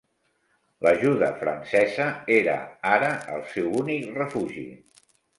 L'ajuda francesa era ara el seu únic refugi.